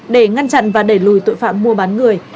để ngăn chặn và đẩy lùi tội phạm mua bán người